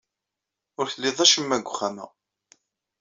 Ur tlid acemma deg uxxam-a.